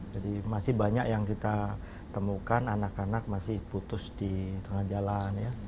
jadi masih banyak yang kita temukan anak anak masih putus di tengah jalan